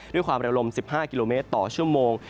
ด้วยความเร็วลม๑๕กิโลเมตรต่อชั่วโมง